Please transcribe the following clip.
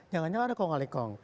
jangan jangan ada kong kali kong